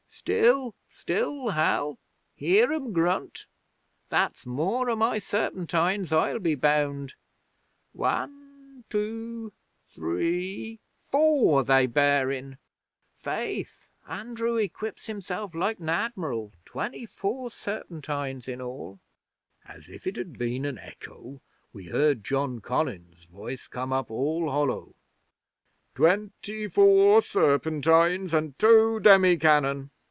"Still! Still, Hal! Hear 'em grunt! That's more o' my serpentines, I'll be bound. One two three four they bear in! Faith, Andrew equips himself like an Admiral! Twenty four serpentines in all!" 'As if it had been an echo, we heard John Collins's voice come up all hollow: "Twenty four serpentines and two demi cannon.